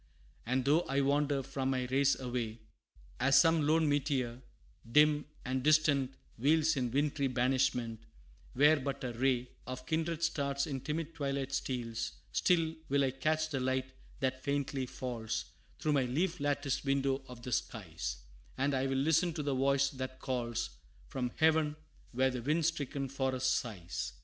And though I wander from my race away, As some lone meteor, dim and distant, wheels In wintry banishment, where but a ray Of kindred stars in timid twilight steals Still will I catch the light that faintly falls Through my leaf latticed window of the skies, And I will listen to the voice that calls From heaven, where the wind stricken forest sighs.